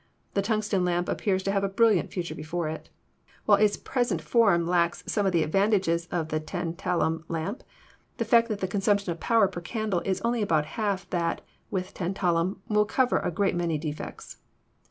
The tungsten lamp appears to have a brilliant future before it. While in its present form it lacks some of the advantages of the tantalum lamp, the fact that the consumption of power per candle is only about half that with tantalum will cover a great many defects.